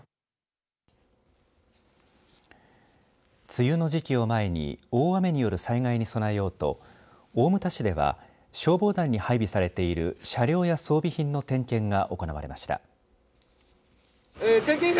梅雨の時期を前に大雨による災害に備えようと大牟田市では消防団に配備されている車両や装備品の点検が行われました。